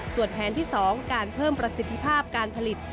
ส่วนแผนที่๒การเพิ่มประสิทธิภาพการผลิต